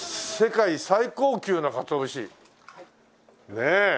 ねえ。